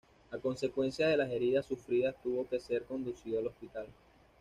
A consecuencia de las heridas sufridas tuvo que ser conducido al hospital.